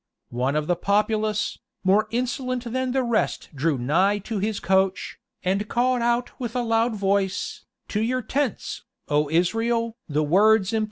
One of the populace, more insolent than the rest drew nigh to his coach, and called out with a loud voice, "To your tents, O Israel!"